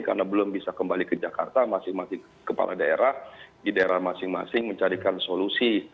karena belum bisa kembali ke jakarta masing masing kepala daerah di daerah masing masing mencarikan solusi